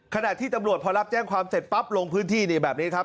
ขณะที่ตำรวจพอรับแจ้งความเสร็จปั๊บลงพื้นที่นี่แบบนี้ครับ